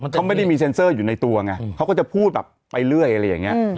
เขาไม่ได้มีเซ็นเซอร์อยู่ในตัวไงเขาก็จะพูดแบบไปเรื่อยอะไรอย่างนี้